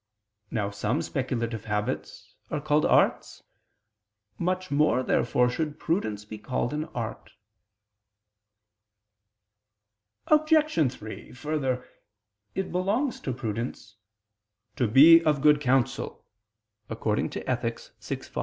Now some speculative habits are called arts. Much more, therefore, should prudence be called an art. Obj. 3: Further, it belongs to prudence, "to be of good counsel" (Ethic. vi, 5).